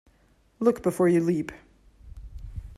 Look before you leap.